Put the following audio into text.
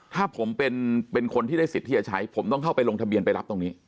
ถ้าผมเป็นคนที่ได้สิทธิ์ที่จะใช้ผมต้องเข้าไปลงทะเบียนไปรับตรงนี้